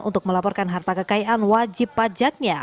untuk melaporkan harta kekayaan wajib pajaknya